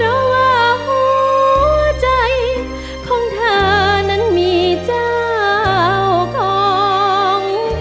หัวใจของเธอนั้นมีเจ้าของ